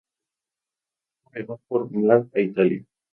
Luego viajó por mar a Italia.